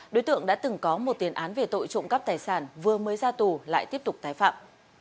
đối tượng đã từng có một tiền án về tội trộm cắp tài sản vừa mới ra tù lại tiếp tục tái phạm